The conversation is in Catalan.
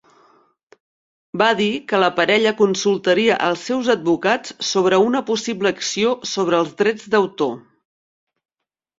Va dir que la parella consultaria els seus advocats "sobre una possible acció sobre els drets d'autor".